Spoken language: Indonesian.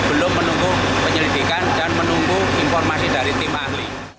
belum menunggu penyelidikan dan menunggu informasi dari tim ahli